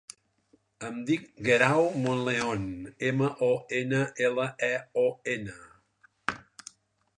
Em dic Guerau Monleon: ema, o, ena, ela, e, o, ena.